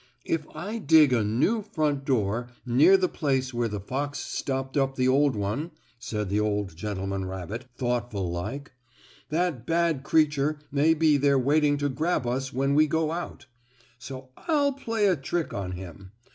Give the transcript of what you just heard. "If I dig a new front door near the place where the fox stopped up the old one," said the old gentleman rabbit thoughtful like, "that bad creature may be there waiting to grab us when we go out. So I'll play a trick on him.